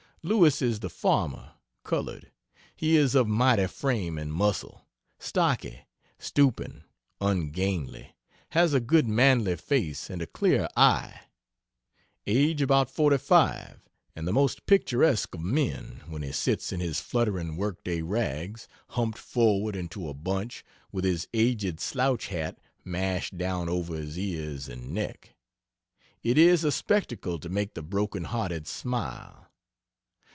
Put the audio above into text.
Lewis is the farmer (colored). He is of mighty frame and muscle, stocky, stooping, ungainly, has a good manly face and a clear eye. Age about 45 and the most picturesque of men, when he sits in his fluttering work day rags, humped forward into a bunch, with his aged slouch hat mashed down over his ears and neck. It is a spectacle to make the broken hearted smile.